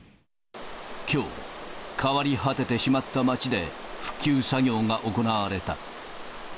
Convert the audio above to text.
きょう、変わり果ててしまった町で、復旧作業が行われた。